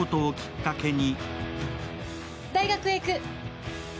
大学へ行く！